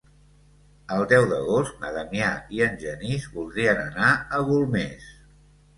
El deu d'agost na Damià i en Genís voldrien anar a Golmés.